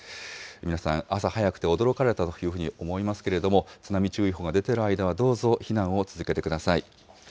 皆さん、朝早くて驚かれたというふうに思いますけれども、津波注意報が出ている間は、どうぞ避難を続けてください。